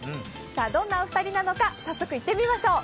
さあどんなお二人なのか早速、行ってみましょう。